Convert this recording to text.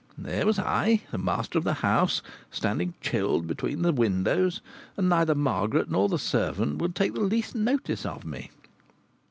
There was I, the master of the house, standing chilled between the windows, and neither Margaret nor the servant would take the least notice of me!